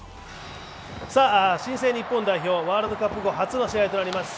新星日本代表、ワールドカップ後初の試合になります。